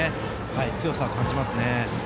強さは感じますね。